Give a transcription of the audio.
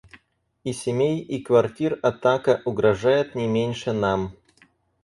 И семей и квартир атака угрожает не меньше нам.